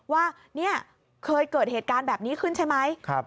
ว่าเนี่ยเคยเกิดเหตุการณ์แบบนี้ขึ้นใช่ไหม